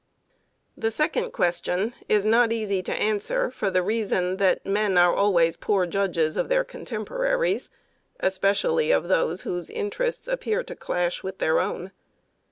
The second question is not easy to answer for the reason that men are always poor judges of their contemporaries, especially of those whose interests appear to clash with their own.